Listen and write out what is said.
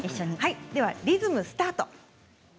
ではリズムスタート。